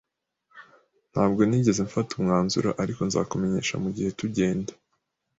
Ntabwo nigeze mfata umwanzuro, ariko nzakumenyesha mugihe tugenda.